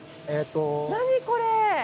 何これ。